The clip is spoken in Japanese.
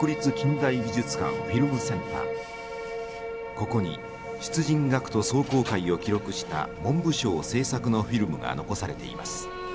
ここに出陣学徒壮行会を記録した文部省制作のフィルムが残されています。